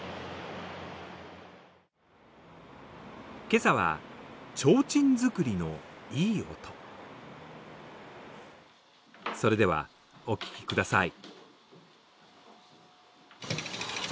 今日は、ちょうちん作りのいい音それではお聴きください。